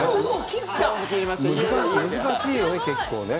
難しいよね、結構ね。